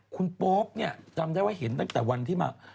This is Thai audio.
คุณโป๊ปเนี่ยจำได้ว่าเห็นตั้งแต่วันที่มา